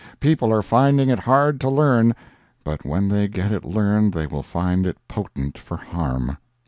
People are finding it hard to learn, but when they get it learned they will find it potent for harm.